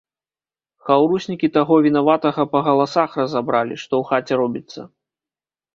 Хаўруснікі таго вінаватага па галасах разабралі, што ў хаце робіцца.